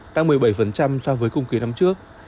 tăng một mươi bảy so với cùng kỳ năm trước